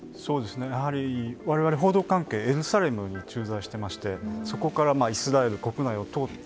やはり我々、報道関係エルサレムに駐在していましてそこからイスラエル国内を通って